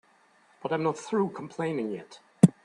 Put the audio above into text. But I'm not through complaining yet.